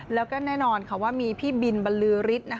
แล้วก็แน่นอนว่ามีพี่บินบรรลือฤทธิ์